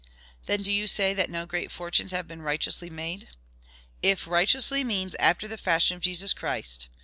"Then do you say that no great fortunes have been righteously made?" "If RIGHTEOUSLY means AFTER THE FASHION OF JESUS CHRIST.